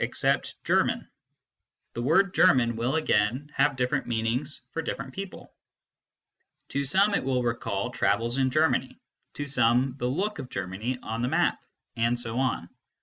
except " Ger man/ The word " German " will again have different meanings for different people. To some it will recall travels in Germany, to some the look of Germany on the map, and so on.